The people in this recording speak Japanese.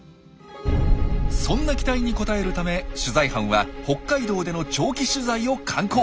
そんな期待に応えるため取材班は北海道での長期取材を敢行！